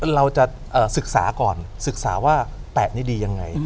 เราจะศึกษาก่อนศึกษาว่าแปะนี่ดียังไง